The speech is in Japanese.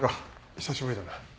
久しぶりだな。